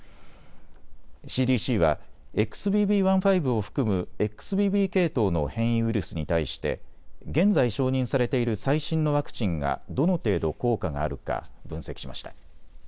ＣＤＣはＸＢＢ．１．５を含むＸＢＢ系統の変異ウイルスに対して現在承認されている最新のワクチンがどの程度効果があるか分析しました。